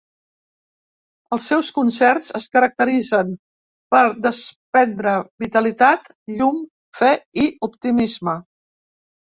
Els seus concerts es caracteritzen per desprendre vitalitat, llum, fe i optimisme.